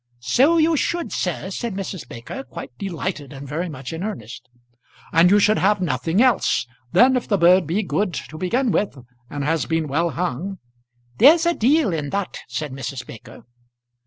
"So you should, sir," said Mrs. Baker, quite delighted and very much in earnest. "And you should have nothing else. Then, if the bird be good to begin with, and has been well hung " "There's a deal in that," said Mrs. Baker.